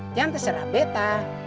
jangan terserah beta